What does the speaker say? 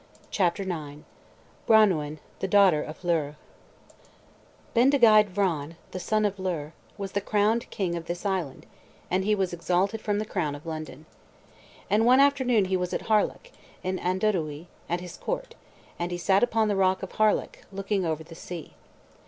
CHAPTER IX BRANWEN, THE DAUGHTER OF LLYR Bendigeid Vran, the son of Llyr, was the crowned king of this island, and he was exalted from the crown of London. And one afternoon he was at Harlech, in Ardudwy, at his court; and he sat upon the rock of Harlech, looking over the sea.